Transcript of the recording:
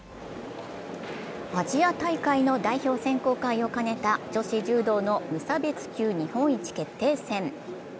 アジア大会の代表選考会を兼ねた女子柔道の無差別級日本一決定戦。